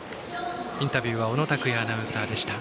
インタビューは小野卓哉アナウンサーでした。